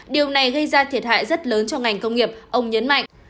điều này gây ra thiệt hại rất lớn cho ngành công nghiệp ông nhấn mạnh